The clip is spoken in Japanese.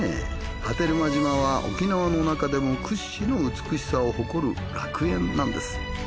波照間島は沖縄のなかでも屈指の美しさを誇る楽園なんです。